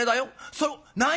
それを何？